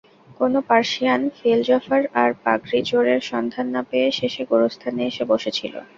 কোনো Persian philosopher তার পাগড়ি-চোরের সন্ধান না পেয়ে শেষে গোরস্থানে এসে বসে ছিল।